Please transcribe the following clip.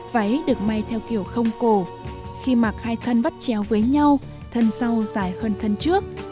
váy được may theo kiểu không cổ khi mặc hai thân vắt chéo với nhau thân sau dài hơn thân trước